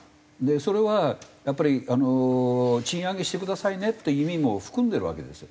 それはやっぱりあの賃上げしてくださいねって意味も含んでるわけですよ。